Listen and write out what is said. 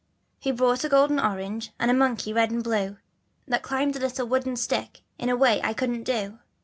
He brought a golden orange, and a monkey red and blue, That climbed a little wooden stick in a way I couldn't do.